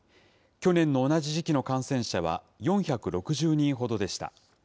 去年の同じ時期の感染者は４６０人ほどでした。